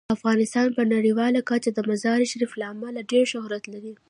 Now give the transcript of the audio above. افغانستان په نړیواله کچه د مزارشریف له امله ډیر شهرت لري.